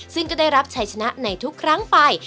ซึ่งก็ได้รับชัยชนะในทุกครั้งไป